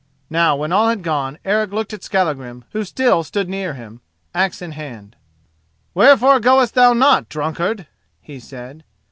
Now when all had gone, Eric looked at Skallagrim, who still stood near him, axe in hand. "Wherefore goest thou not, drunkard?" he said.